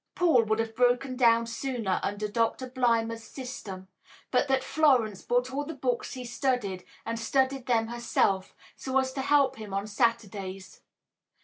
Paul would have broken down sooner under Doctor Blimber's system but that Florence bought all the books he studied and studied them herself, so as to help him on Saturdays.